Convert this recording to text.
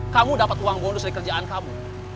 kamu dapat uang bonus dari kerjaan kamu